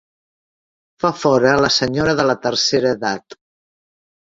Fa fora la senyora de la tercera edat.